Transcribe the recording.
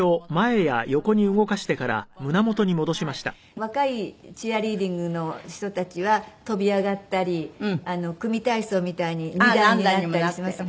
若いチアリーディングの人たちは跳び上がったり組み体操みたいに２段になったりしますね？